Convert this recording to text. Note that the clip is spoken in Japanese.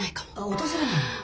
訪れないの。